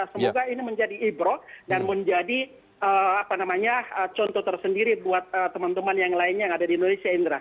semoga ini menjadi ibro dan menjadi contoh tersendiri buat teman teman yang lainnya yang ada di indonesia indra